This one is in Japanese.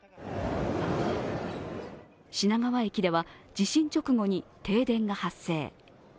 品川駅では地震直後に停電が発生。